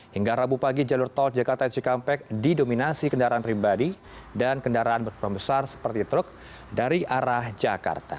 hingga rabu pagi jalur tol jakarta cikampek didominasi kendaraan pribadi dan kendaraan berperan besar seperti truk dari arah jakarta